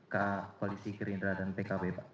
ke koalisi gerindra dan pkb pak